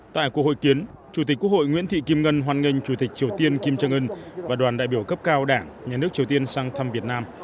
tại cuộc hội kiến chủ tịch quốc hội nguyễn thị kim ngân hoan nghênh chủ tịch triều tiên kim jong un và đoàn đại biểu cấp cao đảng nhà nước triều tiên sang thăm việt nam